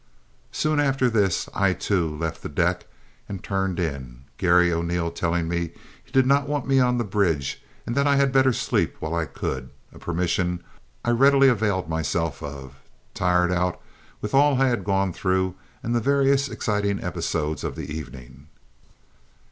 Soon after this I, too, left the deck and turned in, Garry O'Neil telling me he did not want me on the bridge and that I had better sleep while I could, a permission I readily availed myself of, tired out with all I had gone through and the various exciting episodes of the evening.